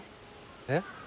えっ？